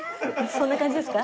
そんな感じですか？